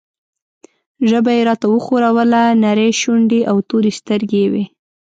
ژبه یې راته وښوروله، نرۍ شونډې او تورې سترګې یې وې.